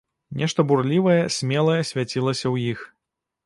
Нешта бурлівае, смелае свяцілася ў іх.